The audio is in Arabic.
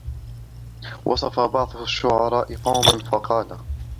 وَوَصَفَ بَعْضُ الشُّعَرَاءِ قَوْمًا فَقَالَ